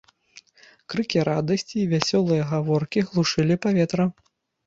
Крыкі радасці і вясёлыя гаворкі глушылі паветра.